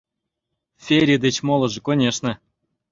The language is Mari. Фери деч молыжо, конешне.